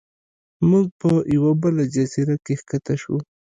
موږ په یوه بله جزیره کې ښکته شو.